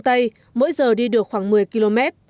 tây mỗi giờ đi được khoảng một mươi km